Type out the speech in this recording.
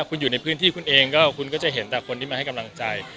คุณอยู่ในพื้นที่คุณเองก็คุณก็จะเห็นแต่คนที่มาให้กำลังใจ